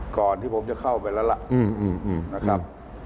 ก่อนที่ผมจะเข้าไปแล้วล่ะ